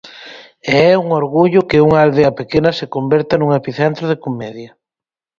E é un orgullo que unha aldea pequena se converta nun epicentro da comedia.